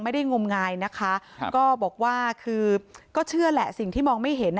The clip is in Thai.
งมงายนะคะก็บอกว่าคือก็เชื่อแหละสิ่งที่มองไม่เห็น